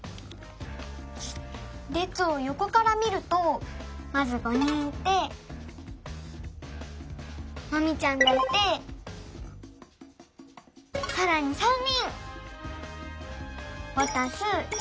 れつをよこからみるとまず５人いてマミちゃんがいてさらに３人！